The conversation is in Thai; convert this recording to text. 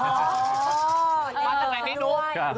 มาจากไหนไม่รู้